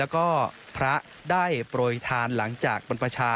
แล้วก็ภรรณาได้ปล่อยทานหลังจากปรรรคประชา